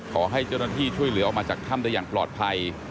ขอให้เจ้าหน้าที่ช่วยเหลือออกมาจากถ้ำได้อย่างปลอดภัย